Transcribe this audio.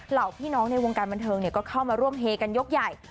เหล่าพี่น้องในวงการบันเทิงก็เข้ามาร่วมเฮกันยกใหญ่